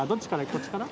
こっちから。